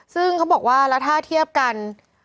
ซึ่งเขาบอกว่าแล้วถ้าเทียบกัน